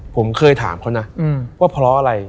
ผมเคยถามเขานะว่าเพราะอะไร